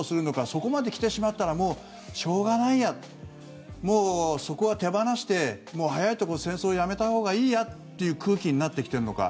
そこまで来てしまったらもうしょうがないやもうそこは手放して、早いところ戦争をやめたほうがいいやという空気になってきているのか。